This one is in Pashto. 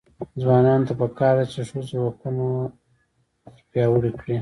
ځوانانو ته پکار ده چې، ښځو حقونه وپیاوړي کړي.